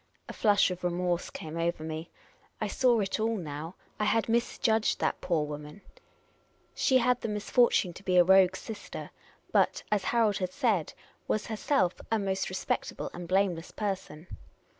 A flush of remorse came over me. I saw it all now. I had misjudged that poor woman ! She had the misfortune VICTOKY. The Unprofessional Detective 33 1 to be a rogue's sister, but, as Harold had said, was herself a most respectable and blameless person.